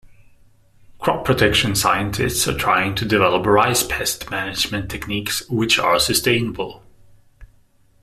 Crop protection scientists are trying to develop rice pest management techniques which are sustainable.